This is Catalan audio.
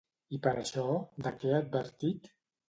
I per això, de què ha advertit?